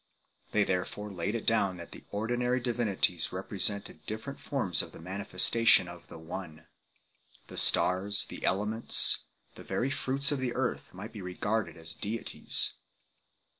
They therefore laid it down that the ordinary divinities re presented different forms of the manifestation of the One. The stars, the elements, the very fruits of the earth might be regarded as deities.